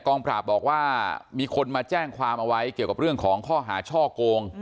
ปราบบอกว่ามีคนมาแจ้งความเอาไว้เกี่ยวกับเรื่องของข้อหาช่อโกง